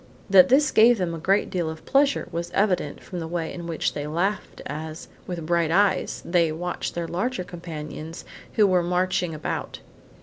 That this gave them a great deal of pleasure, was evident from the way in which they laughed as, with bright eyes, they watched their larger companions who were marching about.